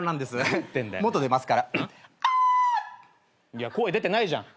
いや声出てないじゃん。